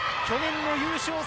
去年の優勝